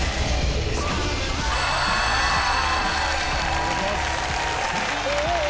お願いします。